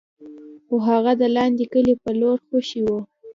خو هغه د لاندې کلي په لور خوشې و.